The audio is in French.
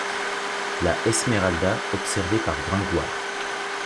La Esmeralda observée par Gringoire.